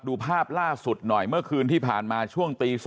ดูภาพล่าสุดหน่อยเมื่อคืนที่ผ่านมาช่วงตี๒